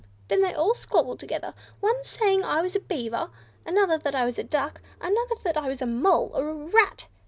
Then they squabbled together one saying I was a Beaver; another, that I was a Duck; another, that I was a Mole, or a Rat.